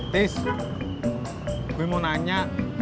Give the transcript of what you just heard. tis gue mau nanya